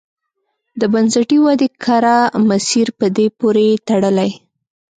د بنسټي ودې کره مسیر په دې پورې تړلی.